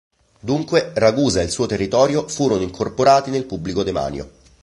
Dunque Ragusa e il suo territorio furono incorporati nel pubblico demanio.